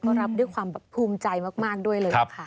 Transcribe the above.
ก็รับด้วยความแบบภูมิใจมากด้วยเลยนะคะ